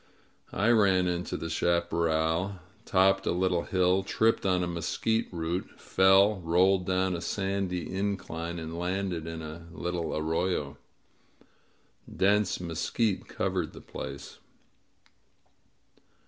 •.. I ran into the chaparral, topped a little hill, tripped on a mesquite root, fell, rolled down a sandy incline, and landed in a little arroyo. Dense mesquite covered the place.